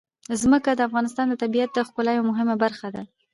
ځمکه د افغانستان د طبیعت د ښکلا یوه مهمه برخه ده.